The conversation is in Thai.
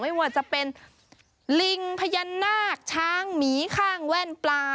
ไม่ว่าจะเป็นลิงพญานาคช้างหมีข้างแว่นปลา